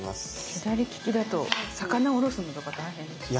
左利きだと魚をおろすのとか大変ですよね。